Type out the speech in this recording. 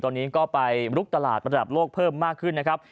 ตอนนี้ก็ไปลุกตลาดระดับโลกเพิ่มมากขึ้นนะครับ